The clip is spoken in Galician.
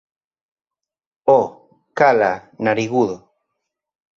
Oh, cala, narigudo.